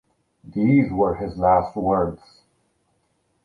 These were his last words.